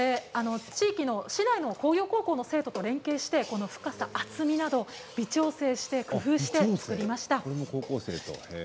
市内の工業高校の生徒と連携して深さや厚みなど微調整して工夫して作りました。